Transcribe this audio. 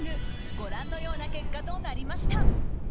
ご覧のような結果となりました。